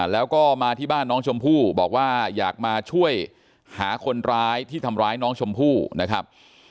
แล้วก็มาที่บ้านน้องชมพู่บอกว่าอยากมาช่วยหาคนร้ายที่ทำร้ายน้องชมพู่นะครับ